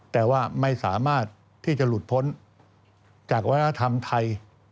แต่ว่าไม่สามารถที่จะหลุดพ้นจากวัฒนธรรมไทย